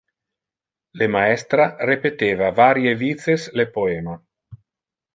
Le maestra repeteva varie vices le poema.